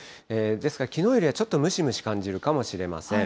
ですからきのうよりはちょっとムシムシ感じるかもしれません。